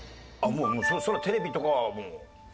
それはテレビとかはもう。